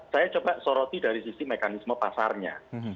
saya coba soroti dari sisi mekanisme pasarnya